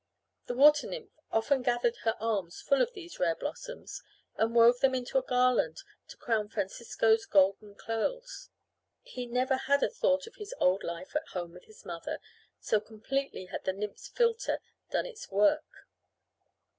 The water nymph often gathered her arms full of these rare blossoms and wove them into a garland to crown Francisco's golden curls. He never had a thought of the old life at home with his mother, so completely had the nymph's philtre done its work.